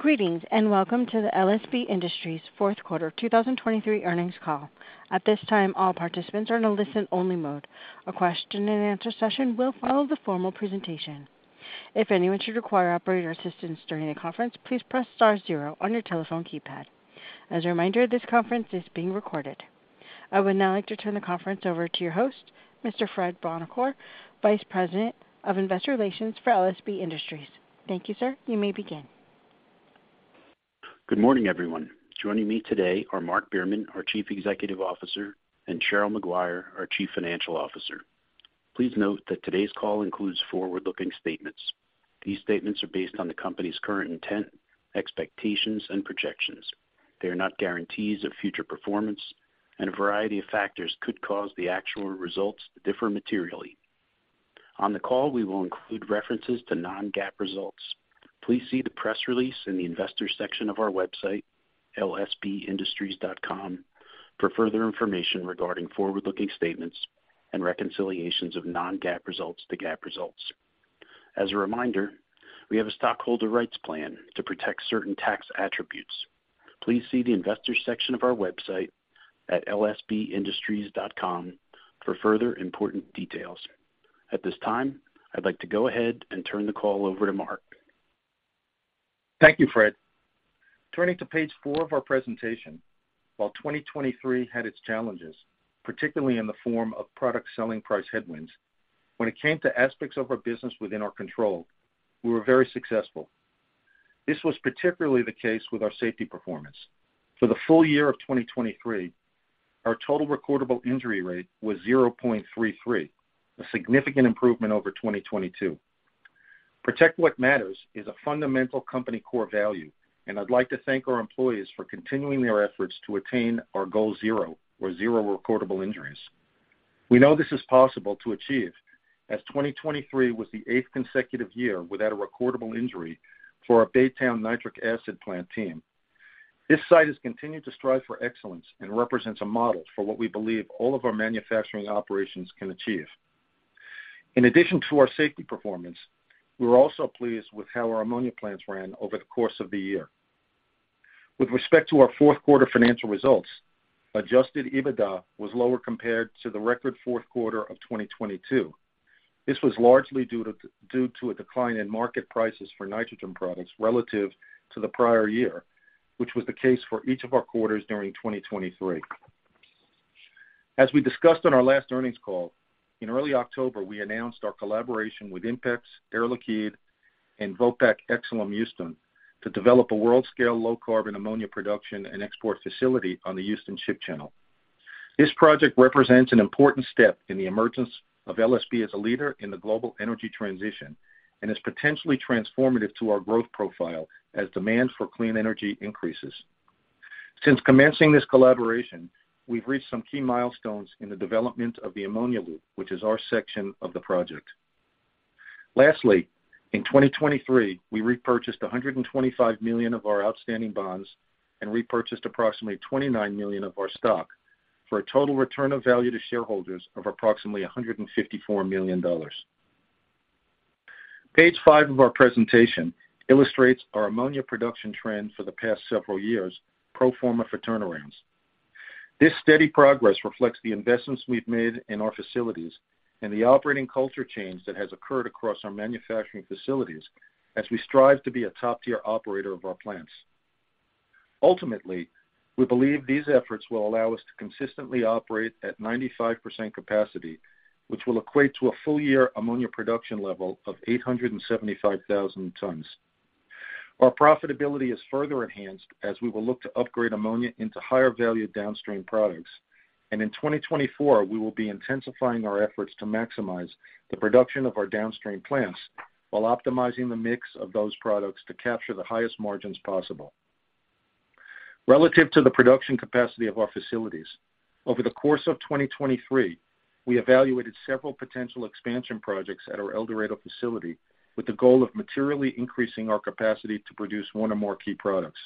Greetings and welcome to the LSB Industries Fourth Quarter 2023 Earnings Call. At this time, all participants are in a listen-only mode. A question-and-answer session will follow the formal presentation. If anyone should require operator assistance during the conference, please press star zero on your telephone keypad. As a reminder, this conference is being recorded. I would now like to turn the conference over to your host, Mr. Fred Buonocore, Vice President of Investor Relations for LSB Industries. Thank you, sir. You may begin. Good morning, everyone. Joining me today are Mark Behrman, our Chief Executive Officer, and Cheryl Maguire, our Chief Financial Officer. Please note that today's call includes forward-looking statements. These statements are based on the company's current intent, expectations, and projections. They are not guarantees of future performance, and a variety of factors could cause the actual results to differ materially. On the call, we will include references to non-GAAP results. Please see the press release in the investor section of our website, LSBindustries.com, for further information regarding forward-looking statements and reconciliations of non-GAAP results to GAAP results. As a reminder, we have a stockholder rights plan to protect certain tax attributes. Please see the investor section of our website at LSBindustries.com for further important details. At this time, I'd like to go ahead and turn the call over to Mark. Thank you, Fred. Turning to page 4 of our presentation, while 2023 had its challenges, particularly in the form of product selling price headwinds, when it came to aspects of our business within our control, we were very successful. This was particularly the case with our safety performance. For the full year of 2023, our total recordable injury rate was 0.33, a significant improvement over 2022. Protect what matters is a fundamental company core value, and I'd like to thank our employees for continuing their efforts to attain our Goal Zero, or zero recordable injuries. We know this is possible to achieve, as 2023 was the eighth consecutive year without a recordable injury for our Baytown nitric acid plant team. This site has continued to strive for excellence and represents a model for what we believe all of our manufacturing operations can achieve. In addition to our safety performance, we were also pleased with how our ammonia plants ran over the course of the year. With respect to our fourth quarter financial results, Adjusted EBITDA was lower compared to the record fourth quarter of 2022. This was largely due to a decline in market prices for nitrogen products relative to the prior year, which was the case for each of our quarters during 2023. As we discussed on our last earnings call, in early October, we announced our collaboration with INPEX, Air Liquide, and Vopak ExxonMobil to develop a world-scale low-carbon ammonia production and export facility on the Houston Ship Channel. This project represents an important step in the emergence of LSB as a leader in the global energy transition and is potentially transformative to our growth profile as demand for clean energy increases. Since commencing this collaboration, we've reached some key milestones in the development of the ammonia loop, which is our section of the project. Lastly, in 2023, we repurchased $125 million of our outstanding bonds and repurchased approximately $29 million of our stock for a total return of value to shareholders of approximately $154 million. Page 5 of our presentation illustrates our ammonia production trend for the past several years, pro forma for turnarounds. This steady progress reflects the investments we've made in our facilities and the operating culture change that has occurred across our manufacturing facilities as we strive to be a top-tier operator of our plants. Ultimately, we believe these efforts will allow us to consistently operate at 95% capacity, which will equate to a full-year ammonia production level of 875,000 tons. Our profitability is further enhanced as we will look to upgrade ammonia into higher-value downstream products, and in 2024, we will be intensifying our efforts to maximize the production of our downstream plants while optimizing the mix of those products to capture the highest margins possible. Relative to the production capacity of our facilities, over the course of 2023, we evaluated several potential expansion projects at our El Dorado facility with the goal of materially increasing our capacity to produce one or more key products.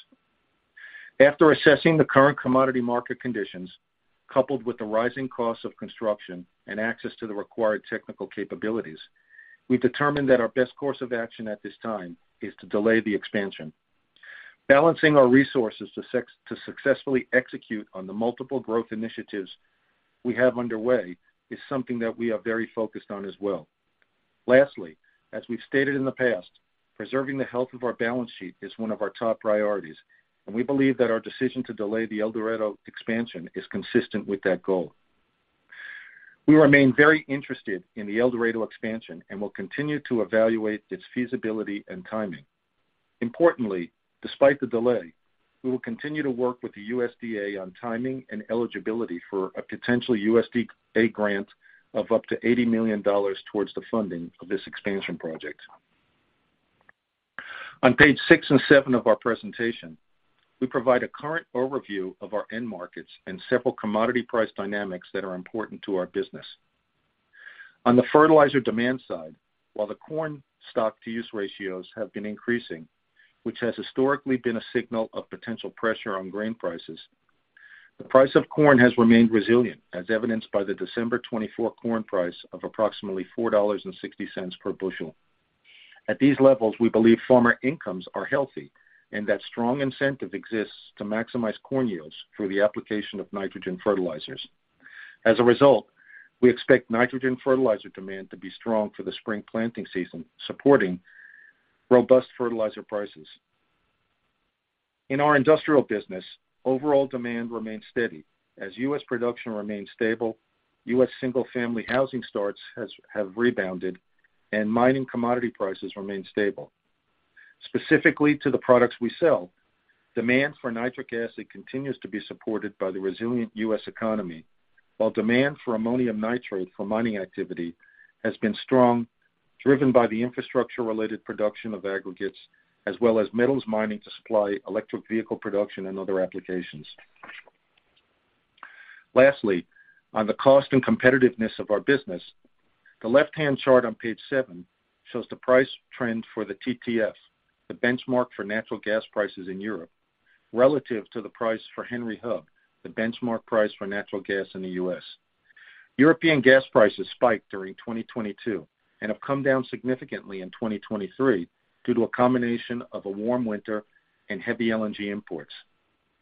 After assessing the current commodity market conditions, coupled with the rising costs of construction and access to the required technical capabilities, we've determined that our best course of action at this time is to delay the expansion. Balancing our resources to successfully execute on the multiple growth initiatives we have underway is something that we are very focused on as well. Lastly, as we've stated in the past, preserving the health of our balance sheet is one of our top priorities, and we believe that our decision to delay the El Dorado expansion is consistent with that goal. We remain very interested in the El Dorado expansion and will continue to evaluate its feasibility and timing. Importantly, despite the delay, we will continue to work with the USDA on timing and eligibility for a potential USDA grant of up to $80 million towards the funding of this expansion project. On page 6 and 7 of our presentation, we provide a current overview of our end markets and several commodity price dynamics that are important to our business. On the fertilizer demand side, while the corn stock-to-use ratios have been increasing, which has historically been a signal of potential pressure on grain prices, the price of corn has remained resilient, as evidenced by the December 2024 corn price of approximately $4.60 per bushel. At these levels, we believe farmer incomes are healthy and that strong incentive exists to maximize corn yields through the application of nitrogen fertilizers. As a result, we expect nitrogen fertilizer demand to be strong for the spring planting season, supporting robust fertilizer prices. In our industrial business, overall demand remains steady as U.S. production remains stable, U.S. single-family housing starts have rebounded, and mining commodity prices remain stable. Specifically to the products we sell, demand for nitric acid continues to be supported by the resilient U.S. economy, while demand for ammonium nitrate for mining activity has been strong, driven by the infrastructure-related production of aggregates as well as metals mining to supply electric vehicle production and other applications. Lastly, on the cost and competitiveness of our business, the left-hand chart on page seven shows the price trend for the TTF, the benchmark for natural gas prices in Europe, relative to the price for Henry Hub, the benchmark price for natural gas in the U.S. European gas prices spiked during 2022 and have come down significantly in 2023 due to a combination of a warm winter and heavy LNG imports.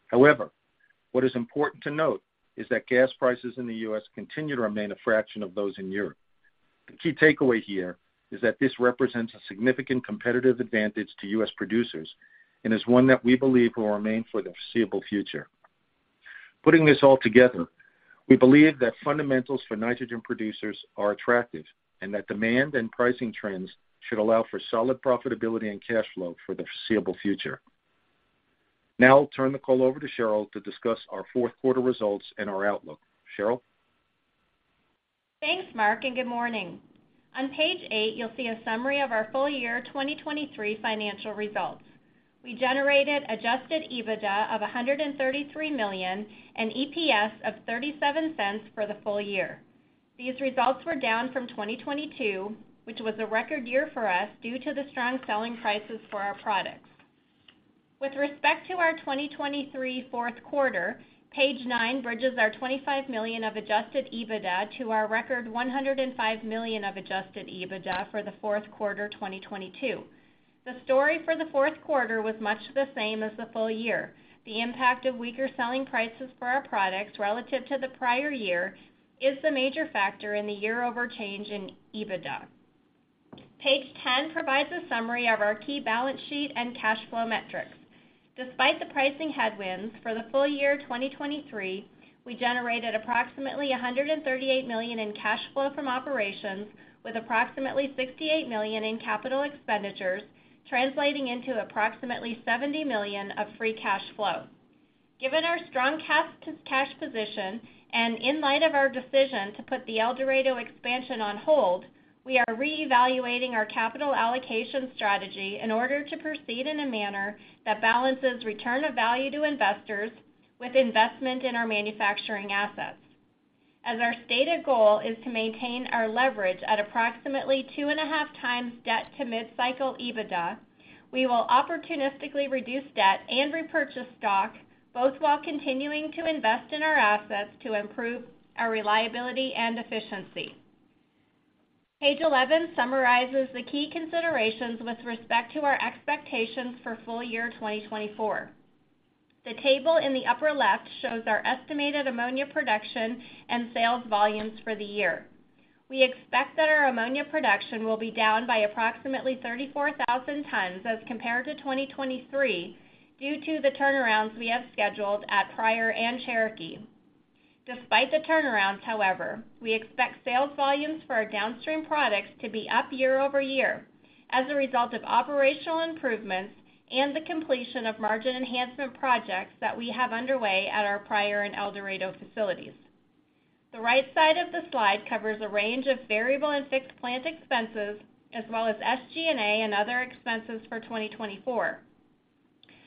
However, what is important to note is that gas prices in the U.S. continue to remain a fraction of those in Europe. The key takeaway here is that this represents a significant competitive advantage to U.S. producers and is one that we believe will remain for the foreseeable future. Putting this all together, we believe that fundamentals for nitrogen producers are attractive and that demand and pricing trends should allow for solid profitability and cash flow for the foreseeable future. Now, I'll turn the call over to Cheryl to discuss our fourth quarter results and our outlook. Cheryl? Thanks, Mark, and good morning. On page 8, you'll see a summary of our full year 2023 financial results. We generated Adjusted EBITDA of $133 million and EPS of $0.37 for the full year. These results were down from 2022, which was a record year for us due to the strong selling prices for our products. With respect to our 2023 fourth quarter, page 9 bridges our $25 million of Adjusted EBITDA to our record $105 million of Adjusted EBITDA for the fourth quarter 2022. The story for the fourth quarter was much the same as the full year. The impact of weaker selling prices for our products relative to the prior year is the major factor in the year-over change in EBITDA. Page 10 provides a summary of our key balance sheet and cash flow metrics. Despite the pricing headwinds for the full year 2023, we generated approximately $138 million in cash flow from operations, with approximately $68 million in capital expenditures, translating into approximately $70 million of free cash flow. Given our strong cash position and in light of our decision to put the El Dorado expansion on hold, we are reevaluating our capital allocation strategy in order to proceed in a manner that balances return of value to investors with investment in our manufacturing assets. As our stated goal is to maintain our leverage at approximately 2.5 times debt-to-mid-cycle EBITDA, we will opportunistically reduce debt and repurchase stock, both while continuing to invest in our assets to improve our reliability and efficiency. Page 11 summarizes the key considerations with respect to our expectations for full year 2024. The table in the upper left shows our estimated ammonia production and sales volumes for the year. We expect that our ammonia production will be down by approximately 34,000 tons as compared to 2023 due to the turnarounds we have scheduled at Pryor and Cherokee. Despite the turnarounds, however, we expect sales volumes for our downstream products to be up year-over-year as a result of operational improvements and the completion of margin enhancement projects that we have underway at our Pryor and El Dorado facilities. The right side of the slide covers a range of variable and fixed plant expenses as well as SG&A and other expenses for 2024.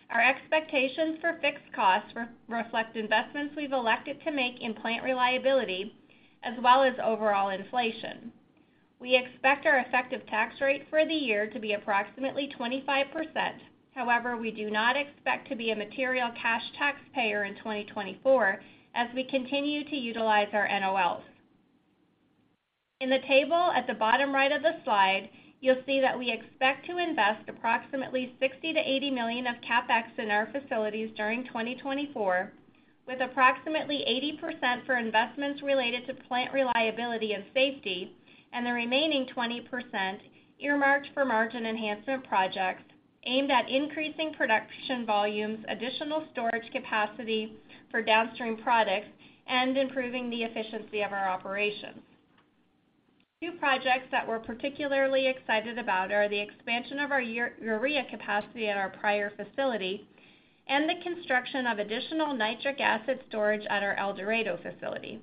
Our expectations for fixed costs reflect investments we've elected to make in plant reliability as well as overall inflation. We expect our effective tax rate for the year to be approximately 25%. However, we do not expect to be a material cash taxpayer in 2024 as we continue to utilize our NOLs. In the table at the bottom right of the slide, you'll see that we expect to invest approximately $60 million-$80 million of CAPEX in our facilities during 2024, with approximately 80% for investments related to plant reliability and safety, and the remaining 20% earmarked for margin enhancement projects aimed at increasing production volumes, additional storage capacity for downstream products, and improving the efficiency of our operations. Two projects that we're particularly excited about are the expansion of our urea capacity at our Pryor facility and the construction of additional nitric acid storage at our El Dorado facility.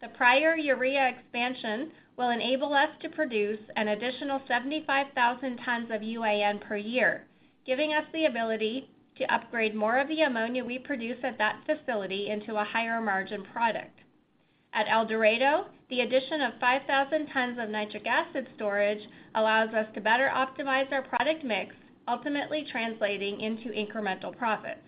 The Pryor urea expansion will enable us to produce an additional 75,000 tons of UAN per year, giving us the ability to upgrade more of the ammonia we produce at that facility into a higher-margin product. At El Dorado, the addition of 5,000 tons of nitric acid storage allows us to better optimize our product mix, ultimately translating into incremental profits.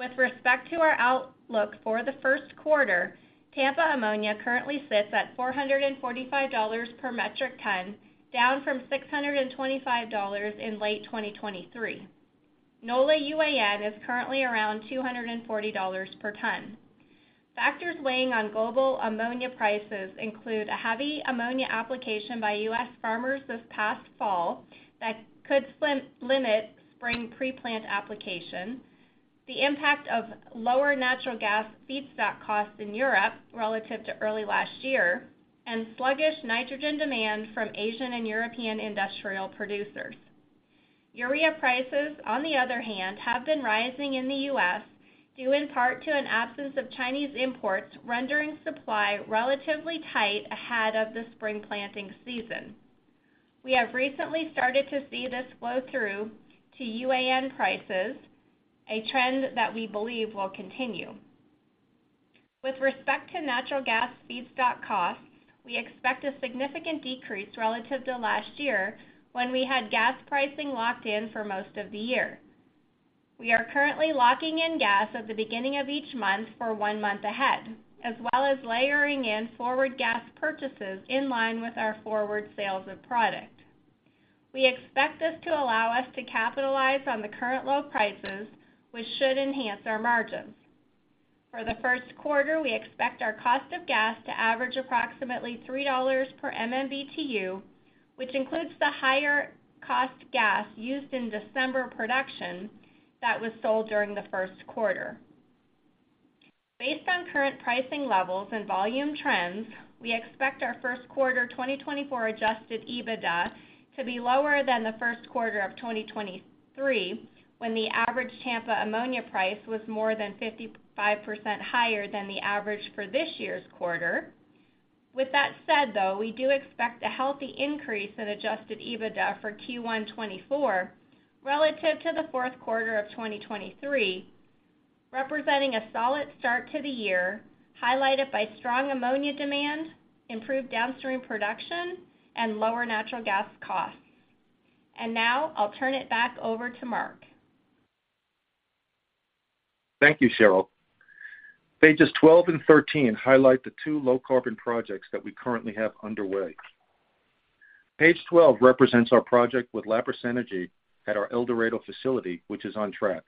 With respect to our outlook for the first quarter, Tampa ammonia currently sits at $445 per metric ton, down from $625 in late 2023. NOLA UAN is currently around $240 per ton. Factors weighing on global ammonia prices include a heavy ammonia application by U.S. farmers this past fall that could limit spring pre-plant application, the impact of lower natural gas feedstock costs in Europe relative to early last year, and sluggish nitrogen demand from Asian and European industrial producers. Urea prices, on the other hand, have been rising in the U.S. due in part to an absence of Chinese imports, rendering supply relatively tight ahead of the spring planting season. We have recently started to see this flow through to UAN prices, a trend that we believe will continue. With respect to natural gas feedstock costs, we expect a significant decrease relative to last year when we had gas pricing locked in for most of the year. We are currently locking in gas at the beginning of each month for one month ahead, as well as layering in forward gas purchases in line with our forward sales of product. We expect this to allow us to capitalize on the current low prices, which should enhance our margins. For the first quarter, we expect our cost of gas to average approximately $3 per MMBtu, which includes the higher-cost gas used in December production that was sold during the first quarter. Based on current pricing levels and volume trends, we expect our first quarter 2024 adjusted EBITDA to be lower than the first quarter of 2023, when the average Tampa ammonia price was more than 55% higher than the average for this year's quarter. With that said, though, we do expect a healthy increase in adjusted EBITDA for Q1 2024 relative to the fourth quarter of 2023, representing a solid start to the year highlighted by strong ammonia demand, improved downstream production, and lower natural gas costs. Now, I'll turn it back over to Mark. Thank you, Cheryl. Pages 12 and 13 highlight the two low-carbon projects that we currently have underway. Page 12 represents our project with Lapis Energy at our El Dorado facility, which is on track.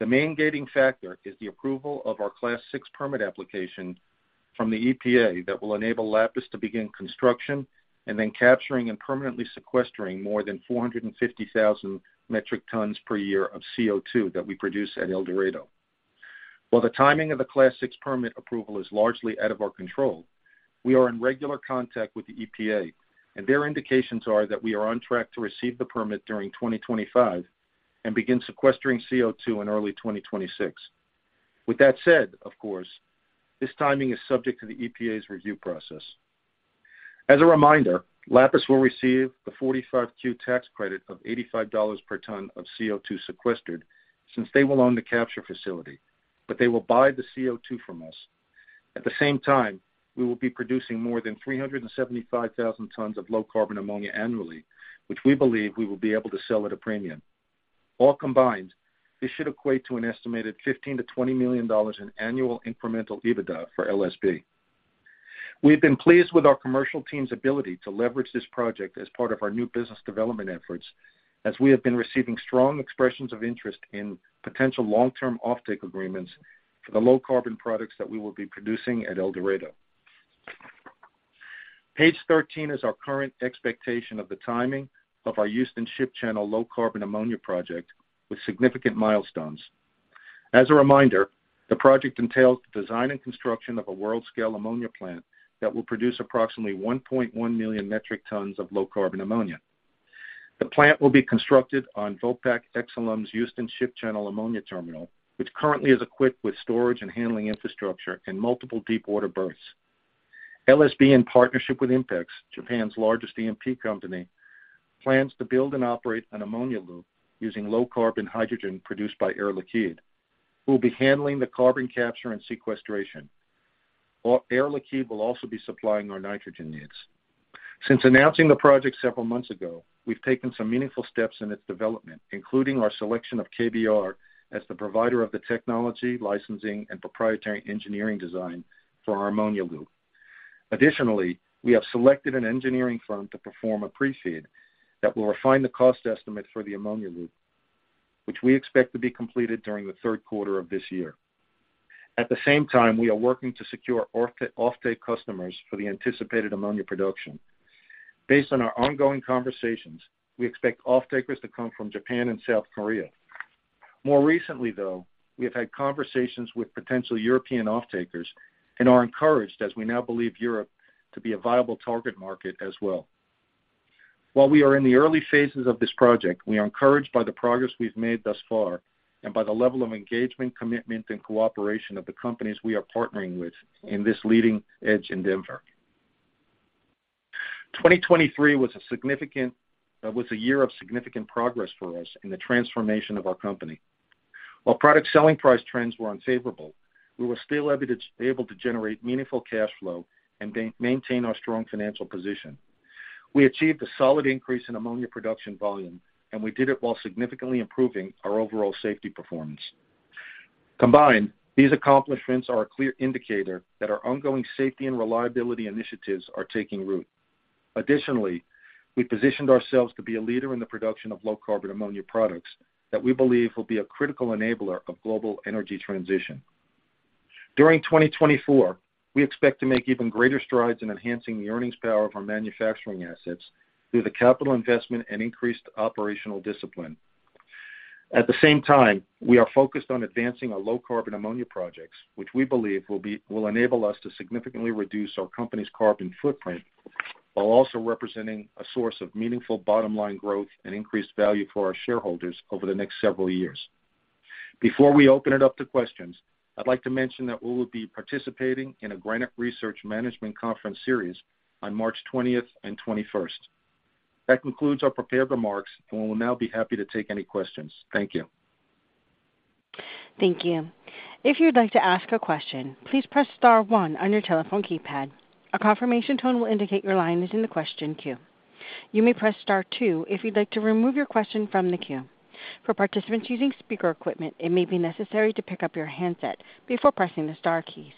The main gating factor is the approval of our Class VI Permit application from the EPA that will enable Lapis to begin construction and then capturing and permanently sequestering more than 450,000 metric tons per year of CO2 that we produce at El Dorado. While the timing of the Class VI Permit approval is largely out of our control, we are in regular contact with the EPA, and their indications are that we are on track to receive the permit during 2025 and begin sequestering CO2 in early 2026. With that said, of course, this timing is subject to the EPA's review process. As a reminder, Lapis will receive the 45-Q tax credit of $85 per ton of CO2 sequestered since they will own the capture facility, but they will buy the CO2 from us. At the same time, we will be producing more than 375,000 tons of low-carbon ammonia annually, which we believe we will be able to sell at a premium. All combined, this should equate to an estimated $15-$20 million in annual incremental EBITDA for LSB. We've been pleased with our commercial team's ability to leverage this project as part of our new business development efforts, as we have been receiving strong expressions of interest in potential long-term offtake agreements for the low-carbon products that we will be producing at El Dorado. Page 13 is our current expectation of the timing of our Houston Ship Channel low-carbon ammonia project with significant milestones. As a reminder, the project entails the design and construction of a world-scale ammonia plant that will produce approximately 1.1 million metric tons of low-carbon ammonia. The plant will be constructed on Vopak ExxonMobil's Houston Ship Channel ammonia terminal, which currently is equipped with storage and handling infrastructure and multiple deep-water berths. LSB, in partnership with INPEX, Japan's largest E&P company, plans to build and operate an ammonia loop using low-carbon hydrogen produced by Air Liquide, who will be handling the carbon capture and sequestration. Air Liquide will also be supplying our nitrogen needs. Since announcing the project several months ago, we've taken some meaningful steps in its development, including our selection of KBR as the provider of the technology, licensing, and proprietary engineering design for our ammonia loop. Additionally, we have selected an engineering firm to perform a pre-FEED that will refine the cost estimate for the ammonia loop, which we expect to be completed during the third quarter of this year. At the same time, we are working to secure offtake customers for the anticipated ammonia production. Based on our ongoing conversations, we expect offtakers to come from Japan and South Korea. More recently, though, we have had conversations with potential European offtakers and are encouraged, as we now believe, Europe to be a viable target market as well. While we are in the early phases of this project, we are encouraged by the progress we've made thus far and by the level of engagement, commitment, and cooperation of the companies we are partnering with in this leading edge endeavor. 2023 was a year of significant progress for us in the transformation of our company. While product selling price trends were unfavorable, we were still able to generate meaningful cash flow and maintain our strong financial position. We achieved a solid increase in ammonia production volume, and we did it while significantly improving our overall safety performance. Combined, these accomplishments are a clear indicator that our ongoing safety and reliability initiatives are taking root. Additionally, we positioned ourselves to be a leader in the production of low-carbon ammonia products that we believe will be a critical enabler of global energy transition. During 2024, we expect to make even greater strides in enhancing the earnings power of our manufacturing assets through the capital investment and increased operational discipline. At the same time, we are focused on advancing our low-carbon ammonia projects, which we believe will enable us to significantly reduce our company's carbon footprint while also representing a source of meaningful bottom-line growth and increased value for our shareholders over the next several years. Before we open it up to questions, I'd like to mention that we will be participating in a Granite Research Management Conference series on March 20th and 21st. That concludes our prepared remarks, and we will now be happy to take any questions. Thank you. Thank you. If you'd like to ask a question, please press star one on your telephone keypad. A confirmation tone will indicate your line is in the question queue. You may press star two if you'd like to remove your question from the queue. For participants using speaker equipment, it may be necessary to pick up your handset before pressing the star keys.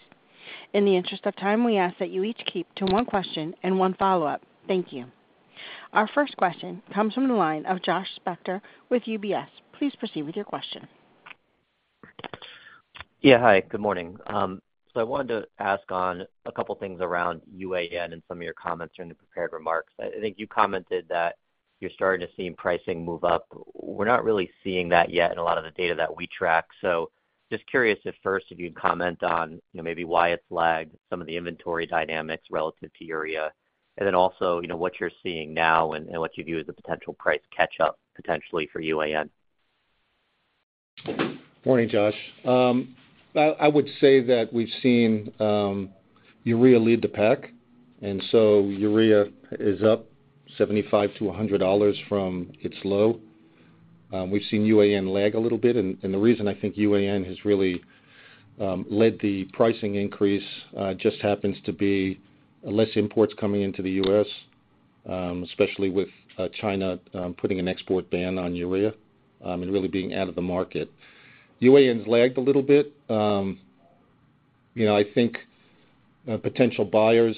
In the interest of time, we ask that you each keep to one question and one follow-up. Thank you. Our first question comes from the line of Josh Spector with UBS. Please proceed with your question. Yeah. Hi. Good morning. So I wanted to ask on a couple of things around UAN and some of your comments during the prepared remarks. I think you commented that you're starting to see pricing move up. We're not really seeing that yet in a lot of the data that we track. So just curious at first if you'd comment on maybe why it's lagged, some of the inventory dynamics relative to urea, and then also what you're seeing now and what you view as a potential price catch-up potentially for UAN? Morning, Josh. I would say that we've seen urea lead the pack, and so urea is up $75-$100 from its low. We've seen UAN lag a little bit, and the reason I think UAN has really led the pricing increase just happens to be less imports coming into the U.S., especially with China putting an export ban on urea and really being out of the market. UAN's lagged a little bit. I think potential buyers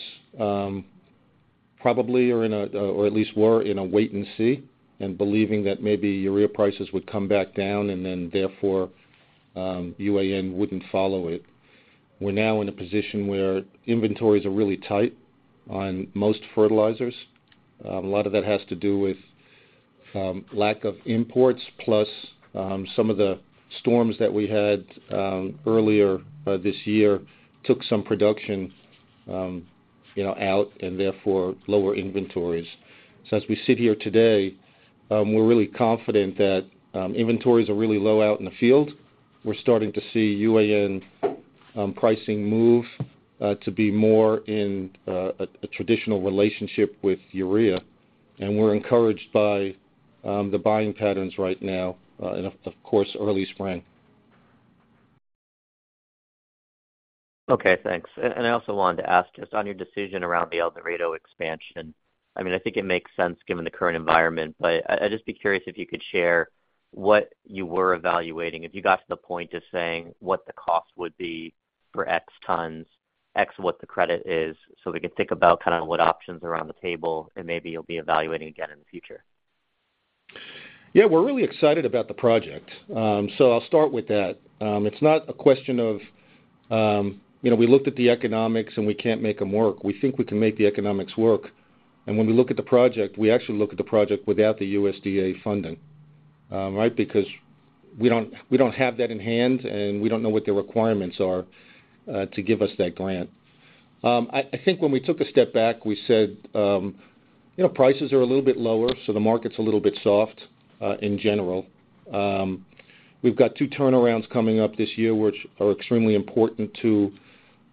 probably are in a or at least were in a wait and see and believing that maybe urea prices would come back down and then therefore UAN wouldn't follow it. We're now in a position where inventories are really tight on most fertilizers. A lot of that has to do with lack of imports, plus some of the storms that we had earlier this year took some production out and therefore lower inventories. So as we sit here today, we're really confident that inventories are really low out in the field. We're starting to see UAN pricing move to be more in a traditional relationship with urea, and we're encouraged by the buying patterns right now and, of course, early spring. Okay. Thanks. And I also wanted to ask just on your decision around the El Dorado expansion. I mean, I think it makes sense given the current environment, but I'd just be curious if you could share what you were evaluating, if you got to the point of saying what the cost would be for X tons, X what the credit is, so we can think about kind of what options are on the table and maybe you'll be evaluating again in the future. Yeah. We're really excited about the project, so I'll start with that. It's not a question of we looked at the economics, and we can't make them work. We think we can make the economics work. And when we look at the project, we actually look at the project without the USDA funding, right, because we don't have that in hand, and we don't know what the requirements are to give us that grant. I think when we took a step back, we said prices are a little bit lower, so the market's a little bit soft in general. We've got two turnarounds coming up this year which are extremely important to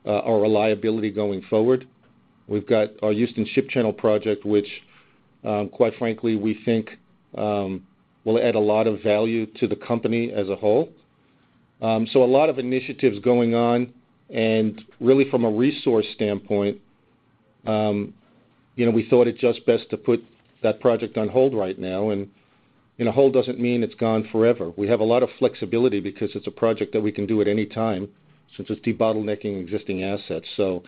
our reliability going forward. We've got our Houston Ship Channel project, which, quite frankly, we think will add a lot of value to the company as a whole. So a lot of initiatives going on, and really from a resource standpoint, we thought it's just best to put that project on hold right now. And hold doesn't mean it's gone forever. We have a lot of flexibility because it's a project that we can do at any time since it's debottlenecking existing assets. So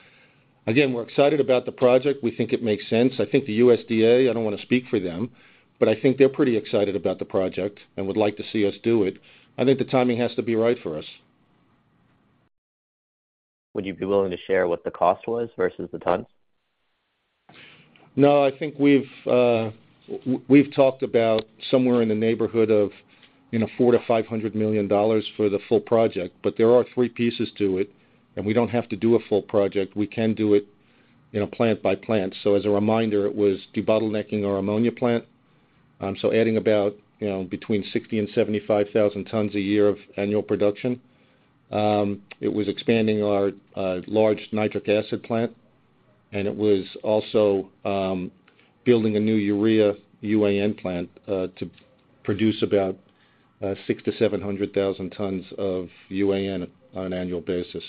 again, we're excited about the project. We think it makes sense. I think the USDA, I don't want to speak for them, but I think they're pretty excited about the project and would like to see us do it. I think the timing has to be right for us. Would you be willing to share what the cost was versus the tons? No. I think we've talked about somewhere in the neighborhood of $400-$500 million for the full project, but there are three pieces to it, and we don't have to do a full project. We can do it plant by plant. So as a reminder, it was debottlenecking our ammonia plant, so adding about between 60,000 and 75,000 tons a year of annual production. It was expanding our large nitric acid plant, and it was also building a new urea UAN plant to produce about 600,000-700,000 tons of UAN on an annual basis.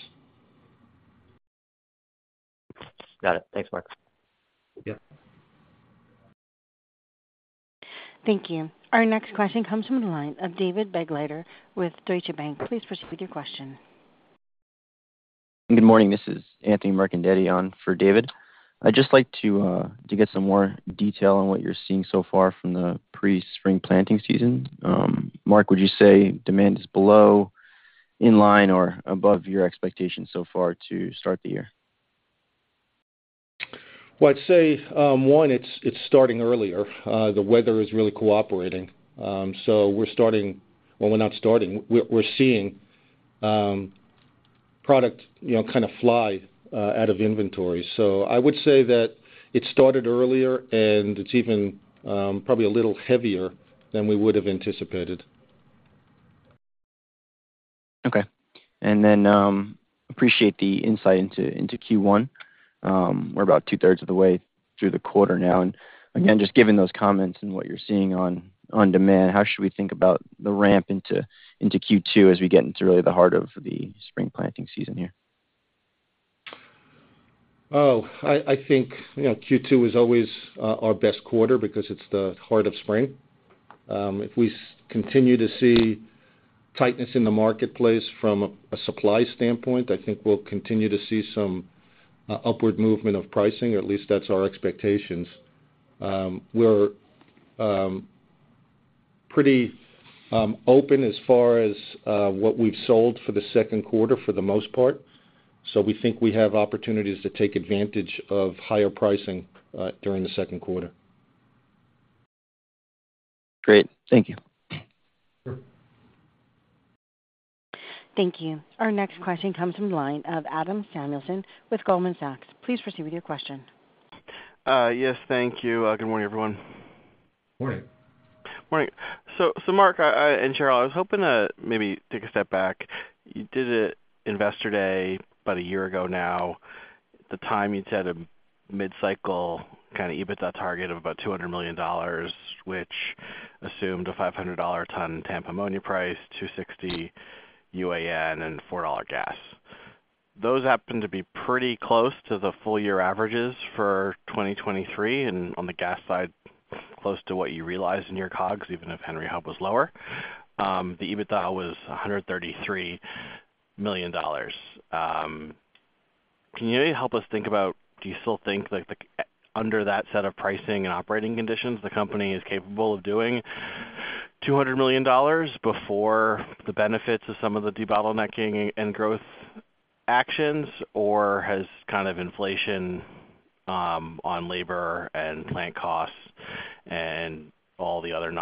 Got it. Thanks, Mark. Thank you. Our next question comes from the line of David Begleiter with Deutsche Bank. Please proceed with your question. Good morning. This is Anthony Mercandetti on for David. I'd just like to get some more detail on what you're seeing so far from the pre-spring planting season. Mark, would you say demand is below, in line, or above your expectations so far to start the year? Well, I'd say, one, it's starting earlier. The weather is really cooperating. So we're starting well, we're not starting. We're seeing product kind of fly out of inventory. So I would say that it started earlier, and it's even probably a little heavier than we would have anticipated. Okay. And then appreciate the insight into Q1. We're about two-thirds of the way through the quarter now. And again, just given those comments and what you're seeing on demand, how should we think about the ramp into Q2 as we get into really the heart of the spring planting season here? Oh, I think Q2 is always our best quarter because it's the heart of spring. If we continue to see tightness in the marketplace from a supply standpoint, I think we'll continue to see some upward movement of pricing. At least that's our expectations. We're pretty open as far as what we've sold for the second quarter for the most part, so we think we have opportunities to take advantage of higher pricing during the second quarter. Great. Thank you. Thank you. Our next question comes from the line of Adam Samuelson with Goldman Sachs. Please proceed with your question. Yes. Thank you. Good morning, everyone. Morning. Morning. So Mark and Cheryl, I was hoping to maybe take a step back. You did an investor day about a year ago now. At the time, you'd set a mid-cycle kind of EBITDA target of about $200 million, which assumed a $500/ton Tampa ammonia price, $260 UAN, and $4 gas. Those happen to be pretty close to the full-year averages for 2023 and on the gas side, close to what you realized in your COGS, even if Henry Hub was lower. The EBITDA was $133 million. Can you help us think about do you still think that under that set of pricing and operating conditions the company is capable of doing $200 million before the benefits of some of the debottlenecking and growth actions, or has kind of inflation on labor and plant costs and all the other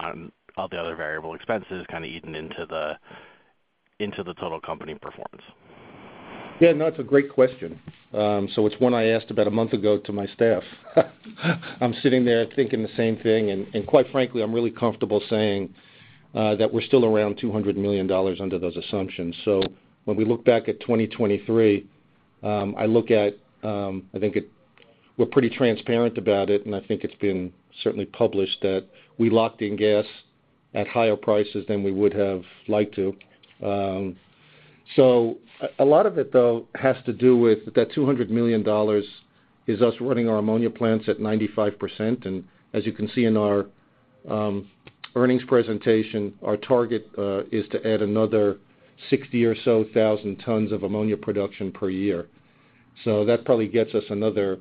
variable expenses kind of eaten into the total company performance? Yeah. No, it's a great question. So it's one I asked about a month ago to my staff. I'm sitting there thinking the same thing. And quite frankly, I'm really comfortable saying that we're still around $200 million under those assumptions. So when we look back at 2023, I look at I think we're pretty transparent about it, and I think it's been certainly published that we locked in gas at higher prices than we would have liked to. So a lot of it, though, has to do with that $200 million is us running our ammonia plants at 95%. And as you can see in our earnings presentation, our target is to add another 60,000 or so tons of ammonia production per year. So that probably gets us another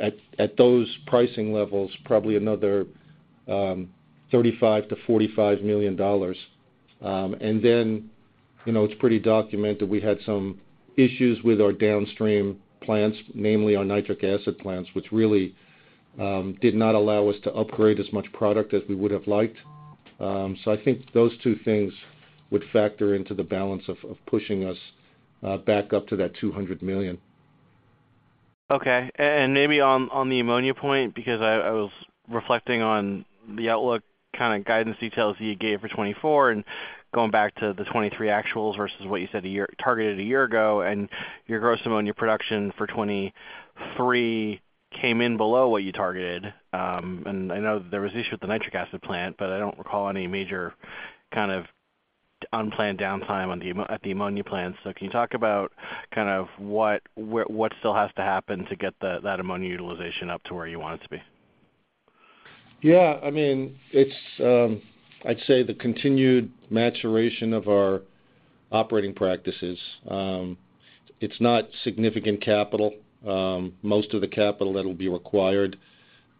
at those pricing levels, probably another $35-$45 million. And then it's pretty documented we had some issues with our downstream plants, namely our nitric acid plants, which really did not allow us to upgrade as much product as we would have liked. So I think those two things would factor into the balance of pushing us back up to that $200 million. Okay. And maybe on the ammonia point, because I was reflecting on the outlook kind of guidance details that you gave for 2024 and going back to the 2023 actuals versus what you said targeted a year ago, and your gross ammonia production for 2023 came in below what you targeted. And I know there was an issue with the nitric acid plant, but I don't recall any major kind of unplanned downtime at the ammonia plant. So can you talk about kind of what still has to happen to get that ammonia utilization up to where you want it to be? Yeah. I mean, I'd say the continued maturation of our operating practices. It's not significant capital. Most of the capital that'll be required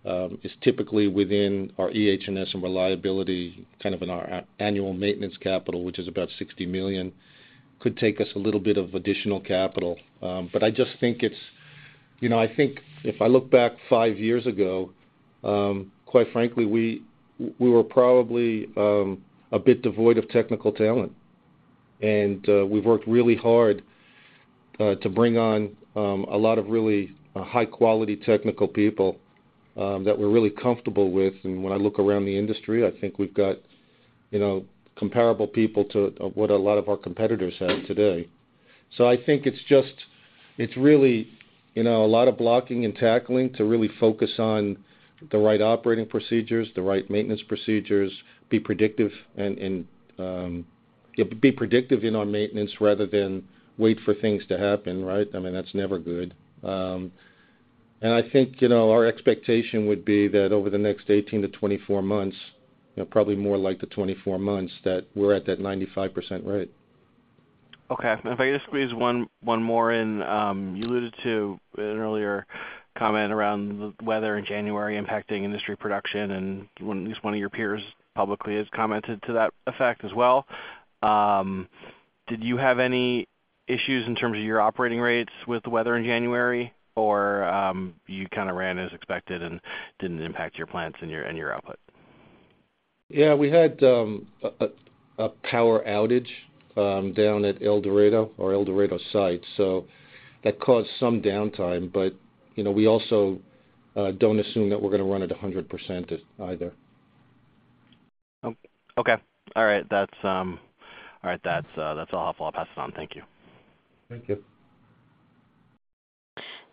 is typically within our EH&S and reliability, kind of in our annual maintenance capital, which is about $60 million. Could take us a little bit of additional capital. But I just think it's I think if I look back five years ago, quite frankly, we were probably a bit devoid of technical talent. And we've worked really hard to bring on a lot of really high-quality technical people that we're really comfortable with. And when I look around the industry, I think we've got comparable people to what a lot of our competitors have today. So I think it's really a lot of blocking and tackling to really focus on the right operating procedures, the right maintenance procedures, be predictive in our maintenance rather than wait for things to happen, right? I mean, that's never good. And I think our expectation would be that over the next 18-24 months, probably more like the 24 months, that we're at that 95% rate. Okay. And if I could just squeeze one more in. You alluded to an earlier comment around the weather in January impacting industry production, and at least one of your peers publicly has commented to that effect as well. Did you have any issues in terms of your operating rates with the weather in January, or you kind of ran as expected and didn't impact your plants and your output? Yeah. We had a power outage down at El Dorado or El Dorado site, so that caused some downtime. But we also don't assume that we're going to run at 100% either. Okay. All right. All right. That's all helpful. I'll pass it on. Thank you. Thank you.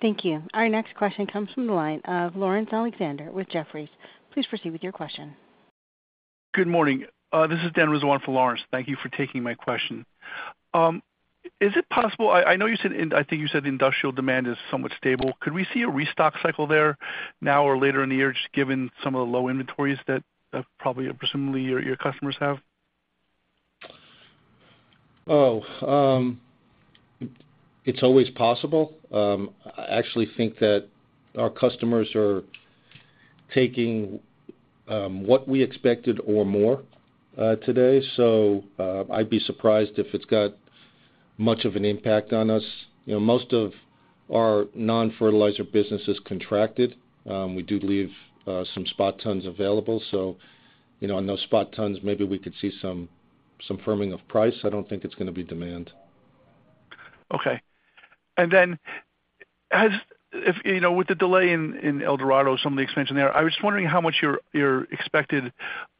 Thank you. Our next question comes from the line of Laurence Alexander with Jefferies. Please proceed with your question. Good morning. This is Dan Rizzo for Laurence. Thank you for taking my question. Is it possible? I know you said—I think you said—the industrial demand is somewhat stable. Could we see a restock cycle there now or later in the year, just given some of the low inventories that probably presumably your customers have? Oh, it's always possible. I actually think that our customers are taking what we expected or more today. So I'd be surprised if it's got much of an impact on us. Most of our non-fertilizer business is contracted. We do leave some spot tons available. So on those spot tons, maybe we could see some firming of price. I don't think it's going to be demand. Okay. And then with the delay in El Dorado, some of the expansion there, I was just wondering how much your expected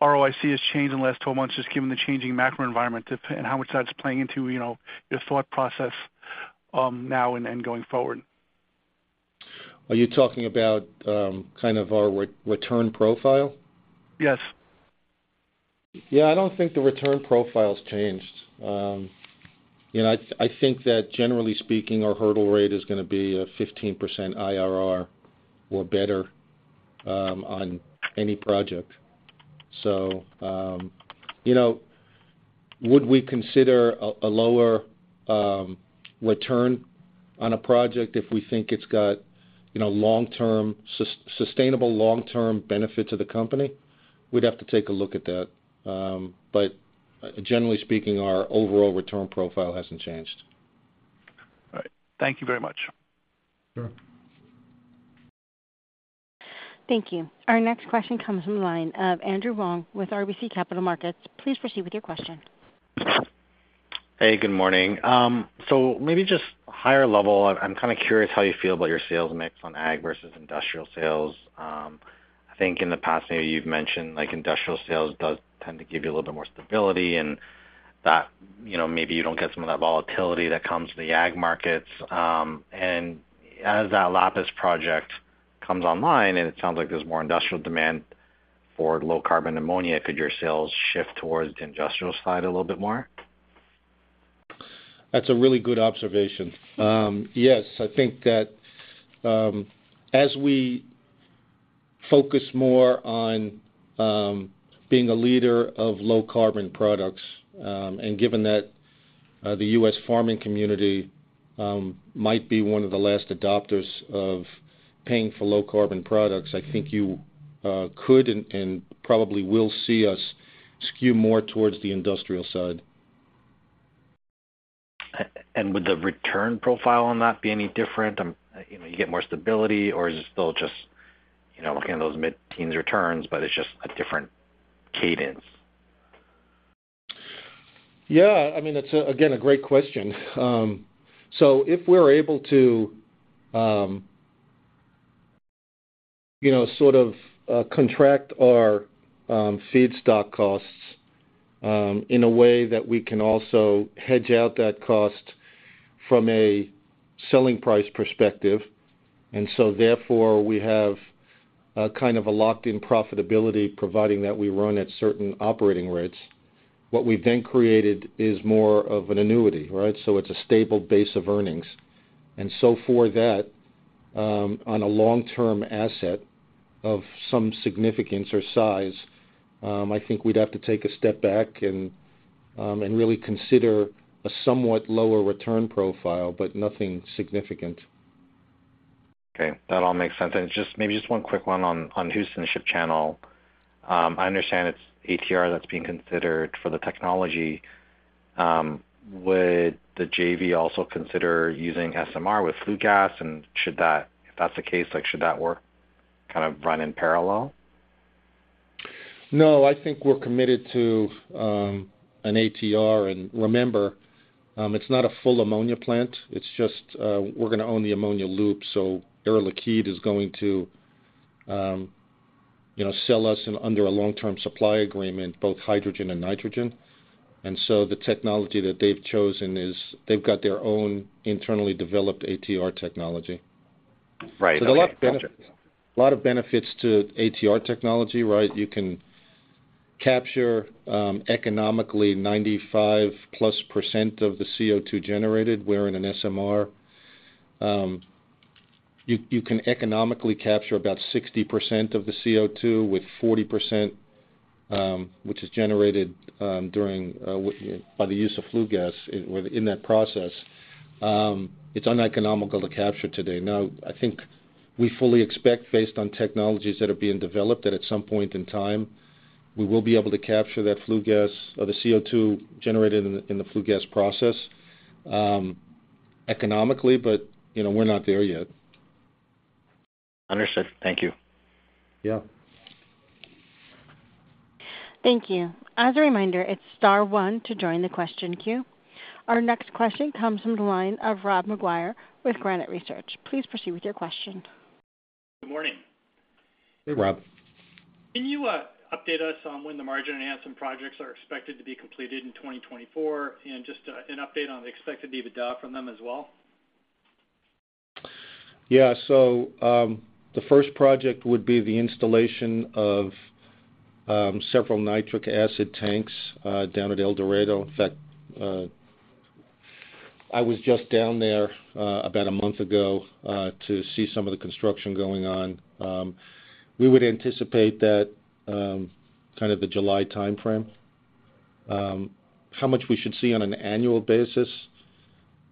ROIC has changed in the last 12 months, just given the changing macro environment, and how much that's playing into your thought process now and going forward? Are you talking about kind of our return profile? Yes. Yeah. I don't think the return profile's changed. I think that, generally speaking, our hurdle rate is going to be a 15% IRR or better on any project. So would we consider a lower return on a project if we think it's got sustainable long-term benefit to the company? We'd have to take a look at that. But generally speaking, our overall return profile hasn't changed. All right. Thank you very much. Sure. Thank you. Our next question comes from the line of Andrew Wong with RBC Capital Markets. Please proceed with your question. Hey. Good morning. So maybe just higher level, I'm kind of curious how you feel about your sales mix on ag versus industrial sales. I think in the past, maybe you've mentioned industrial sales does tend to give you a little bit more stability and that maybe you don't get some of that volatility that comes with the ag markets. And as that Lapis project comes online and it sounds like there's more industrial demand for low-carbon ammonia, could your sales shift towards the industrial side a little bit more? That's a really good observation. Yes. I think that as we focus more on being a leader of low-carbon products and given that the U.S. farming community might be one of the last adopters of paying for low-carbon products, I think you could and probably will see us skew more towards the industrial side. Would the return profile on that be any different? You get more stability, or is it still just kind of those mid-teens returns, but it's just a different cadence? Yeah. I mean, it's, again, a great question. So if we're able to sort of contract our feedstock costs in a way that we can also hedge out that cost from a selling price perspective, and so therefore we have kind of a locked-in profitability providing that we run at certain operating rates, what we've then created is more of an annuity, right? So it's a stable base of earnings. And so for that, on a long-term asset of some significance or size, I think we'd have to take a step back and really consider a somewhat lower return profile but nothing significant. Okay. That all makes sense. And maybe just one quick one on Houston Ship Channel. I understand it's ATR that's being considered for the technology. Would the JV also consider using SMR with flue gas, and if that's the case, should that work kind of run in parallel? No. I think we're committed to an ATR. And remember, it's not a full ammonia plant. It's just we're going to own the ammonia loop. So Air Liquide is going to sell us under a long-term supply agreement both hydrogen and nitrogen. And so the technology that they've chosen is they've got their own internally developed ATR technology. So there's a lot of benefits to ATR technology, right? You can capture economically 95%+ of the CO2 generated wherein an SMR you can economically capture about 60% of the CO2 with 40%, which is generated by the use of flue gas in that process. It's uneconomical to capture today. Now, I think we fully expect, based on technologies that are being developed, that at some point in time, we will be able to capture that CO2 generated in the flue gas process economically, but we're not there yet. Understood. Thank you. Yeah. Thank you. As a reminder, it's star one to join the question queue. Our next question comes from the line of Rob McGuire with Granite Research. Please proceed with your question. Good morning. Hey, Rob. Can you update us on when the margin enhancement projects are expected to be completed in 2024 and just an update on the expected EBITDA from them as well? Yeah. So the first project would be the installation of several nitric acid tanks down at El Dorado. In fact, I was just down there about a month ago to see some of the construction going on. We would anticipate that kind of the July timeframe. How much we should see on an annual basis?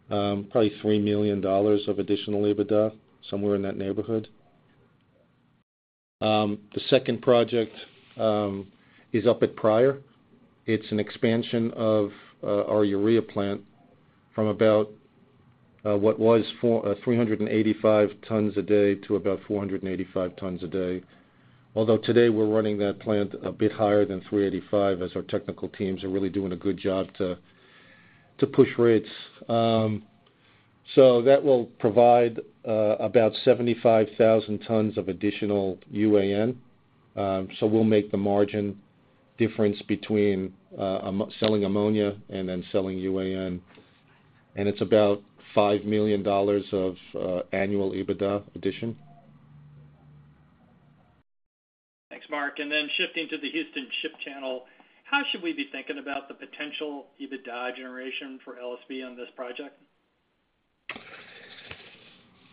Probably $3 million of additional EBITDA, somewhere in that neighborhood. The second project is up at Pryor. It's an expansion of our urea plant from about what was 385 tons a day to about 485 tons a day. Although today, we're running that plant a bit higher than 385 as our technical teams are really doing a good job to push rates. So that will provide about 75,000 tons of additional UAN. So we'll make the margin difference between selling ammonia and then selling UAN. And it's about $5 million of annual EBITDA addition. Thanks, Mark. And then shifting to the Houston Ship Channel, how should we be thinking about the potential EBITDA generation for LSB on this project?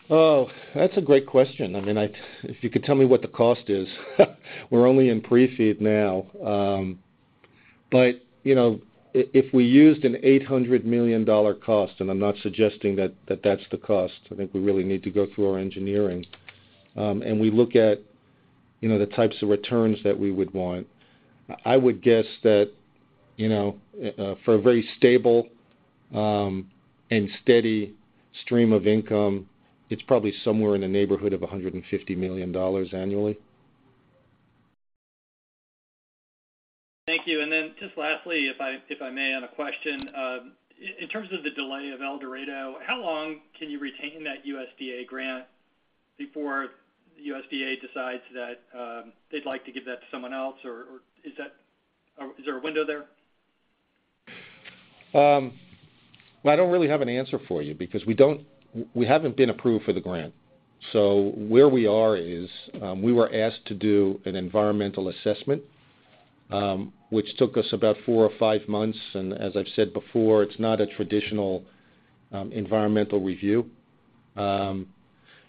Oh, that's a great question. I mean, if you could tell me what the cost is. We're only in Pre-FEED now. But if we used an $800 million cost - and I'm not suggesting that that's the cost. I think we really need to go through our engineering - and we look at the types of returns that we would want, I would guess that for a very stable and steady stream of income, it's probably somewhere in the neighborhood of $150 million annually. Thank you. And then just lastly, if I may, on a question. In terms of the delay of El Dorado, how long can you retain that USDA grant before USDA decides that they'd like to give that to someone else, or is there a window there? Well, I don't really have an answer for you because we haven't been approved for the grant. So where we are is we were asked to do an environmental assessment, which took us about four or five months. And as I've said before, it's not a traditional environmental review.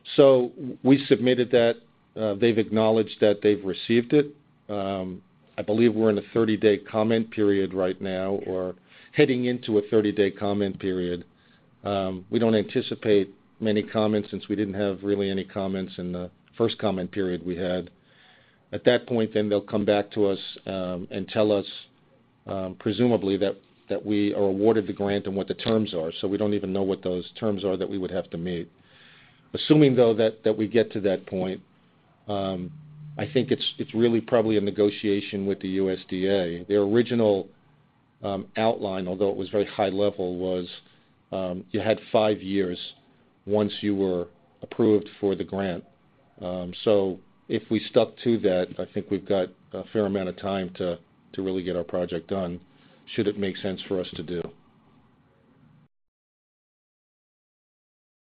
So we submitted that. They've acknowledged that they've received it. I believe we're in a 30-day comment period right now or heading into a 30-day comment period. We don't anticipate many comments since we didn't have really any comments in the first comment period we had. At that point, then they'll come back to us and tell us, presumably, that we are awarded the grant and what the terms are. So we don't even know what those terms are that we would have to meet. Assuming, though, that we get to that point, I think it's really probably a negotiation with the USDA. Their original outline, although it was very high-level, was you had five years once you were approved for the grant. So if we stuck to that, I think we've got a fair amount of time to really get our project done, should it make sense for us to do.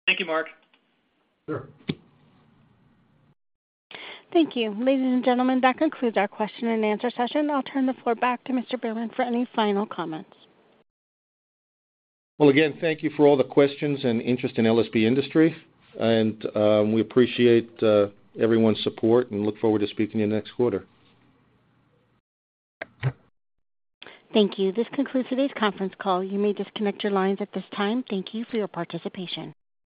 Thank you, Mark. Sure. Thank you. Ladies and gentlemen, that concludes our question and answer session. I'll turn the floor back to Mr. Behrman for any final comments. Well, again, thank you for all the questions and interest in LSB Industries. We appreciate everyone's support and look forward to speaking with you next quarter. Thank you. This concludes today's conference call. You may disconnect your lines at this time. Thank you for your participation.